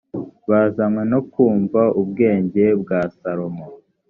bazanywe no kumva ubwenge bwa salomo